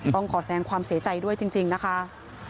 ต้องขอแสงความเสียใจด้วยจริงนะคะ